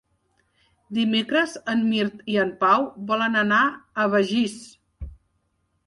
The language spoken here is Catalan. Dimecres en Mirt i en Pau volen anar a Begís.